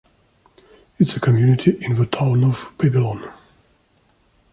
It is a community in the Town of Babylon.